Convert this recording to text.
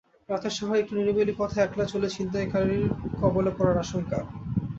রাতের শহরে একটু নিরিবিলি পথে একলা চললে ছিনতাইকারীর কবলে পড়ার আশঙ্কা।